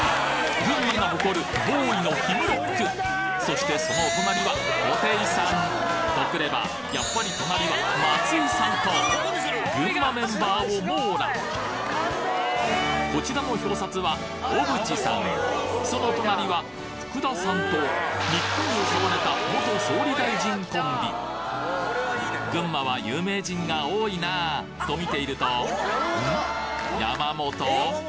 群馬が誇るそしてそのお隣はと来ればやっぱり隣は松井さんと群馬メンバーを網羅こちらの表札は小渕さんその隣は福田さんと日本を背負われた元総理大臣コンビ群馬は有名人が多いなと見ているとん？